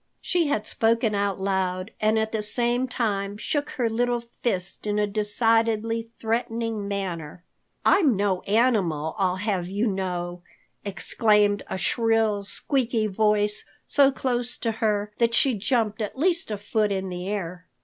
She had spoken out loud, and at the same time shook her little fist in a decidedly threatening manner. "I'm no animal, I'll have you know," exclaimed a shrill, squeaky voice so close to her that she jumped at least a foot in the air.